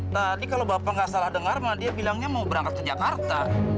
tadi kalau bapak nggak salah dengar dia bilangnya mau berangkat ke jakarta